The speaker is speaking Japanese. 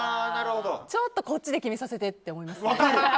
ちょっとこっちで決めさせてって思いますね。